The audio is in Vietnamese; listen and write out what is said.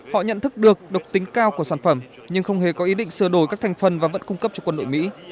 họ nhận thức được độc tính cao của sản phẩm nhưng không hề có ý định sửa đổi các thành phần và vận cung cấp cho quân đội mỹ